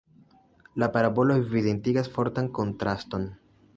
La parabolo evidentigas fortan kontraston.